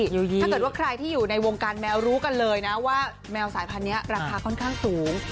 ถ้าเกิดว่าใครที่อยู่ในวงการแมวรู้กันเลยนะว่าแมวสายพันธุ์นี้ราคาค่อนข้างสูง